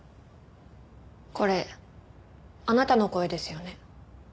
これあなたの声ですよね？